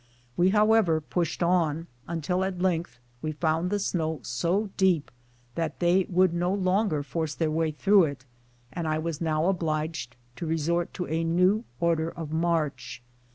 We, however, j^ushed on, until at length we found the snow so deep that they could no longer force their way through it, and I was now obliged to resort to a new order of march.